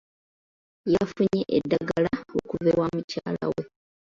Yafunye eddagala okuva ewa mukyala we.